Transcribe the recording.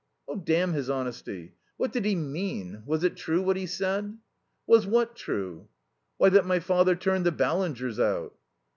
"Damn his honesty. What did he mean? Was it true what he said?" "Was what true?" "Why, that my father turned the Ballingers out?"